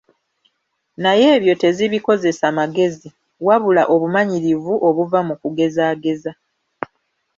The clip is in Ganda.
Naye ebyo tezibikozesa magezi, wabula obumanyirivu obuva mu kugezaageza.